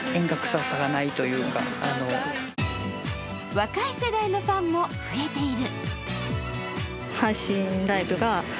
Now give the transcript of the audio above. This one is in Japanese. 若い世代のファンも増えている。